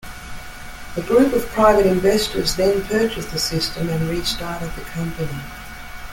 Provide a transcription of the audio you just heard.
A group of private investors then purchased the system and restarted the company.